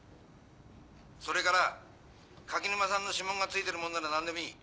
それから垣沼さんの指紋が付いてるもんなら何でもいい。